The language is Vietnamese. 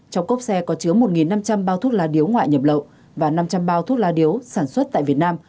trong cốc xe có chứa một năm trăm linh bao thuốc lá điếu ngoại nhập lậu và năm trăm linh bao thuốc lá điếu sản xuất tại việt nam